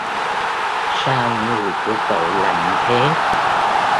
Sao người của cậu lạnh thế